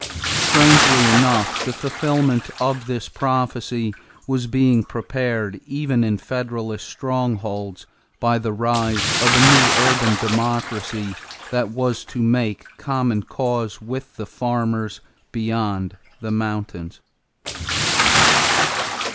Strangely enough the fulfillment of this prophecy was being prepared even in Federalist strongholds by the rise of a new urban democracy that was to make common cause with the farmers beyond the mountains.